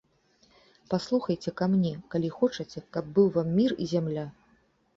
— Паслухайце ка мне, калі хочаце, каб быў вам мір і зямля.